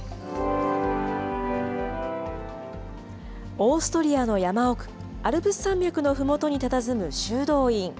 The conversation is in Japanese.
オーストリアの山奥、アルプス山脈のふもとにたたずむ修道院。